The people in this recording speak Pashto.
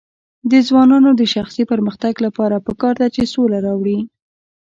د ځوانانو د شخصي پرمختګ لپاره پکار ده چې سوله راوړي.